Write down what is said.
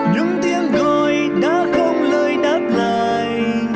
những tiếng gọi đã không lời đáp lại